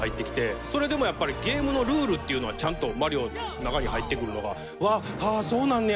それでもやっぱりゲームのルールっていうのはちゃんとマリオの中に入ってくるのがうわっあっそうなんねや！